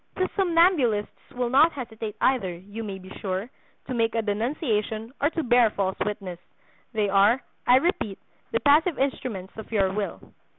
These somnambulists will not hesitate either, you may be sure, to make a denunciation, or to bear false witness; they are, I repeat, the passive instruments of your will.